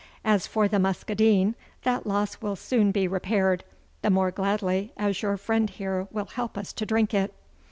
As for the muscadine, that loss will soon be repaired, the more gladly as your friend here will help us to drink it.